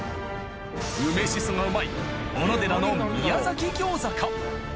梅しそがうまい小野寺の宮崎餃子か？